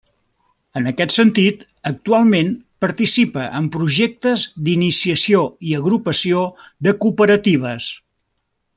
En aquest sentit, actualment participa en projectes d'iniciació i agrupació de cooperatives.